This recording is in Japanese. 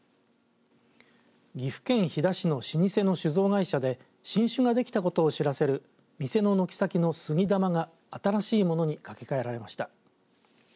岐阜県飛騨市の老舗の酒造会社で新酒が出来たことを知らせる店の軒先の杉玉が新しいものに掛け替えられました。